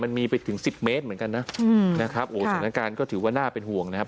มันมีไปถึงสิบเมตรเหมือนกันนะนะครับโอ้สถานการณ์ก็ถือว่าน่าเป็นห่วงนะครับ